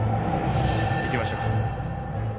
行きましょう。